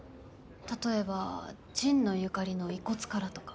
例えば神野由香里の遺骨からとか。